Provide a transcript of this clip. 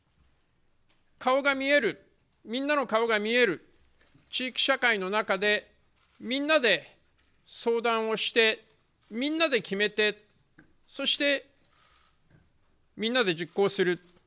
顔が見える、みんなの顔が見える地域社会の中でみんなで相談をしてみんなで決めてそして、みんなで実行する。